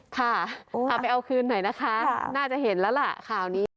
ค่ะเอาไปเอาคืนหน่อยนะคะน่าจะเห็นแล้วล่ะข่าวนี้